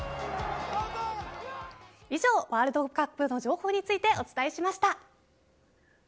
以上ワールドカップの情報についてお伝えしました。